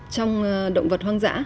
trong động vật hoang dã